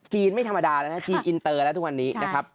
ไม่ธรรมดาแล้วนะจีนอินเตอร์แล้วทุกวันนี้นะครับ